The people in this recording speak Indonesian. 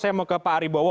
saya mau ke pak ariebowo